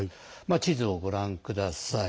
地図をご覧ください。